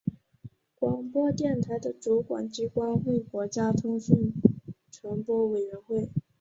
广播电台的主管机关为国家通讯传播委员会。